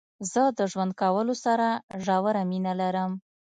زه د ژوند کولو سره ژوره مينه لرم.